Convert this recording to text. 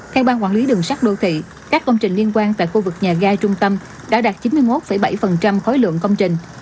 theo bang quản lý đường sắt đô thị các công trình liên quan tại khu vực nhà ga trung tâm đã đạt chín mươi một bảy khối lượng công trình